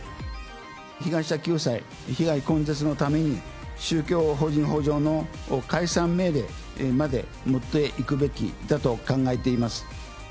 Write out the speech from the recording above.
被害者救済、被害根絶のために、宗教法人法上の解散命令まで持っていくべきだと考えています。